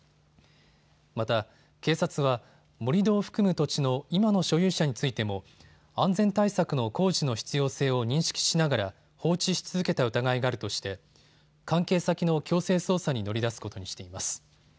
また、警察は盛り土を含む土地の今の所有者についても安全対策の工事の必要性を認識しながら放置し続けた疑いがあるとして関係先の強制捜査に乗り出すことにしています。